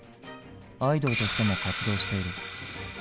アイドルとしても活動している。